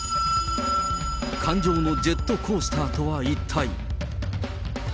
感情のジェットコースターとは一体。